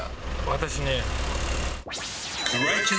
私ね。